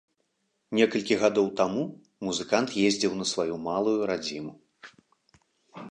Некалькі гадоў таму музыкант ездзіў на сваю малую радзіму.